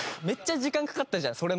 めっちゃ時間かかったじゃん。